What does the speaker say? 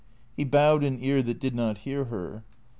He bowed an ear that did not hear her.